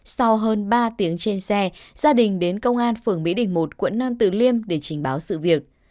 sau hơn ba tiếng trên xe gia đình đến công an phường mỹ đình một quận nam tử liêm để trình báo sự việc